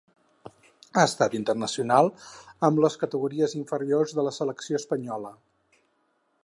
Ha estat internacional amb les categories inferiors de la selecció espanyola.